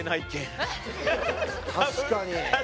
確かに。